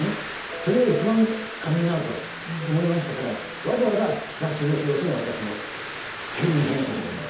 それが一番カミングアウトだと思いましたからわざわざ雑誌の表紙に私の責任編集というのを。